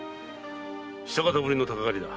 久方ぶりの鷹狩りだ。